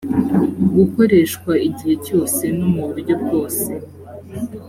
gukoreshwa igihe cyose no mu buryo bwose